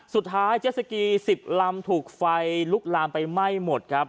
สุดท้ายเจสสกีสิบลำถูกไฟลุกลำไปไหม้หมดครับ